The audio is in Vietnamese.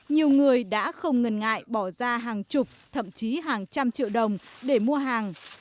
nhiều người đã không ngần ngại bỏ ra hàng chục thậm chí hàng trăm triệu đồng để mua hàng